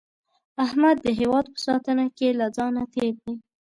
احمد د هیواد په ساتنه کې له ځانه تېر دی.